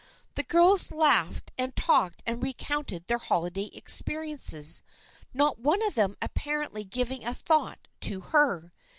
The girls laughed and talked and recounted their holiday experiences, not one of them apparently giving a thought to her.